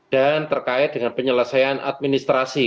dan terkait dengan penyelesaian administrasi